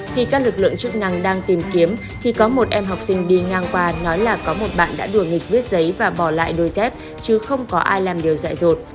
khi các lực lượng chức năng đang tìm kiếm thì có một em học sinh đi ngang qua nói là có một bạn đã đuổi nghịch viết giấy và bỏ lại đôi dép chứ không có ai làm đều dạy dột